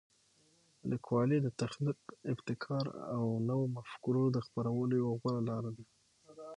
لیکوالی د تخلیق، ابتکار او نوو مفکورو د خپرولو یوه غوره لاره ده.